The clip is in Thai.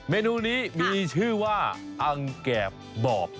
เมนูนี้มีชื่อว่าอังแกบบอบ